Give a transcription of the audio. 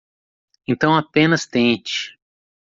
Então apenas tente